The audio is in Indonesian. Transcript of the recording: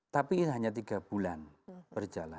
tapi ini hanya tiga bulan berjalan